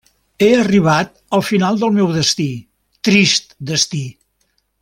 He arribat al final del meu destí, trist destí!